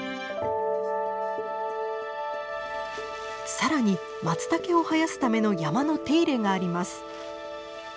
更にマツタケを生やすための山の手入れがあります。